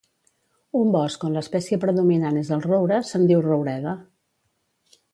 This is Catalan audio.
Un bosc on l'espècie predominant és el roure se'n diu roureda.